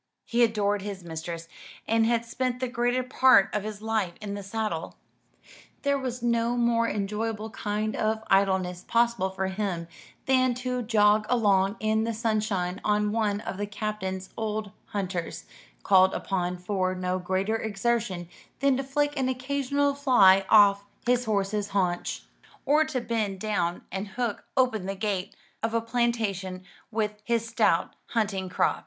He adored his mistress, and had spent the greater part of his life in the saddle. There was no more enjoyable kind of idleness possible for him than to jog along in the sunshine on one of the Captain's old hunters; called upon for no greater exertion than to flick an occasional fly off his horse's haunch, or to bend down and hook open the gate of a plantation with his stout hunting crop.